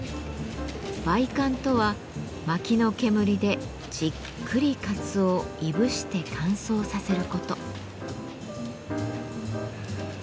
焙乾とは薪の煙でじっくりかつおをいぶして乾燥させること。